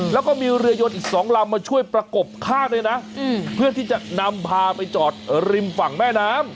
แล้วก็มีเรือยนอีกสองลำมาช่วยประกบข้างด้วยนะเพื่อที่จะนำพาไปจอดริมฝั่งแม่น้ำ